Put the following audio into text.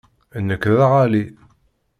Nekk d aɣalli.